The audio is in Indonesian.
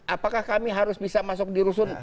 apakah kami harus bisa masuk di rusun